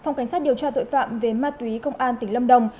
phòng cảnh sát điều tra tội phạm về ma túy công an tỉnh lâm đồng